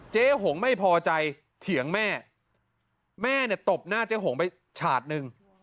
หงไม่พอใจเถียงแม่แม่เนี่ยตบหน้าเจ๊หงไปฉาดหนึ่ง